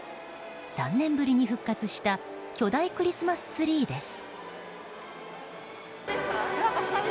３年ぶりに復活した巨大クリスマスツリーです。